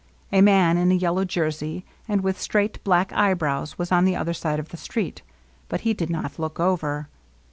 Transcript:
A man in a yellow jersey, and with straight, black eyebrows, was on the other side of the street ; but he did not look over.